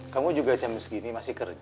kamu juga jam segini masih kerja